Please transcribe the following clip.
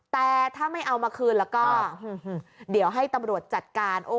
แต่ถ้าไม่เอามาคืนแล้วก็เดี๋ยวให้ตำรวจจัดการ